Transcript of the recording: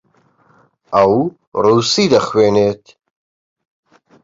ئەو ڕووسی دەخوێنێت.